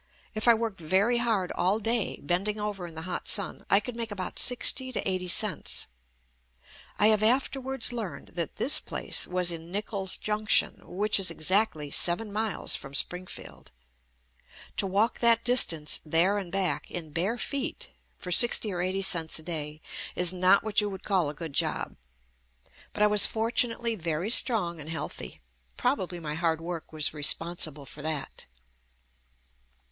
If I worked very hard all day, bending over in the hot sun, I could make about sixty to eighty cents. I have afterwards learned that this place was in Nichols Junction which is ex actly seven miles from Springfield. To walk that distance there and back in bare feet for sixty or eighty cents a day is not what you would call a good job, but I was fortunately very strong and healthy — probably my hard work was responsible for that.